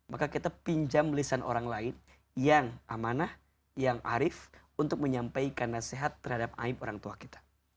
maka kita pinjam lisan orang lain yang amanah yang arif untuk menyampaikan nasihat terhadap aib orang tua kita